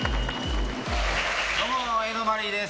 どうも、江戸マリーです。